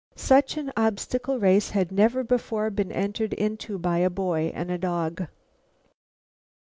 Such an obstacle race had never before been entered into by a boy and a dog.